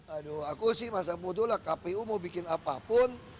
aduh aku sih masa mudulah kpu mau bikin apapun